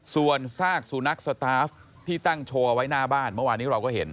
ส่วนซากสุนัขสตาฟที่ตั้งโชว์เอาไว้หน้าบ้านเมื่อวานนี้เราก็เห็น